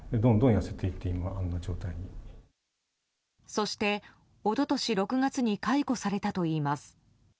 そして、一昨年６月に解雇されたといいます。